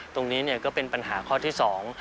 ตรงนี้ก็เป็นปัญหาข้อที่๒